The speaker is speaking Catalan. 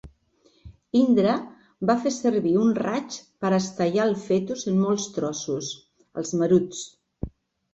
Indra va fer servir un raig per estellar el fetus en molts trossos, els Maruts.